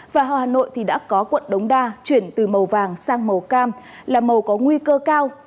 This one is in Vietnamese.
và hà nội thì đã có quận đống đa chuyển từ màu vàng sang màu cam là màu có nguy cơ cao